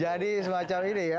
jadi semacam ini ya